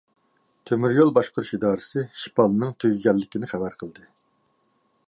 تۆمۈر يول باشقۇرۇش ئىدارىسى شىپالنىڭ تۈگىگەنلىكىنى خەۋەر قىلدى.